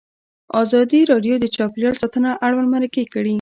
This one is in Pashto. ازادي راډیو د چاپیریال ساتنه اړوند مرکې کړي.